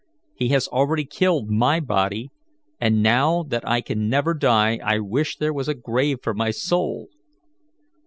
He has already killed my body, and now that I can never die I wish there was a grave for my soul.